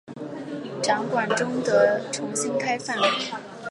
展馆终得重新开放。